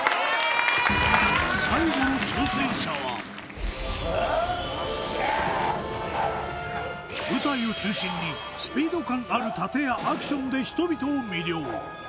最後の挑戦者は舞台を中心にスピード感ある盾やアクションで人々を魅了。